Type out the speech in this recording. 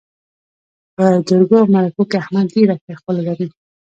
په جرګو او مرکو کې احمد ډېره ښه خوله لري.